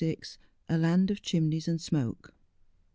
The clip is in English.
A LAND OF CHIMNIES AND S2IOKE.